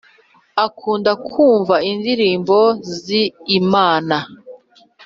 akunda kumva indirimbo zi Imana